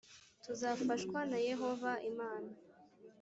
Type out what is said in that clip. tuzafashwa na yehova imana